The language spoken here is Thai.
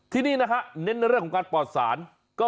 ที่นี่นะฮะเน้นในเรื่องของการปลอดศาล